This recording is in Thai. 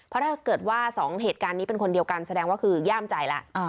เพราะถ้าเกิดว่าสองเหตุการณ์นี้เป็นคนเดียวกันแสดงว่าคือย่ามใจแล้ว